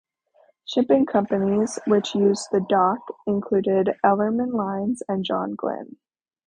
Shipping companies, which used the dock, included Ellerman Lines and John Glynn.